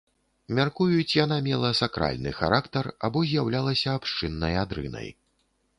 Мяркуюць, яна мела сакральны характар або з'яўлялася абшчыннай адрынай.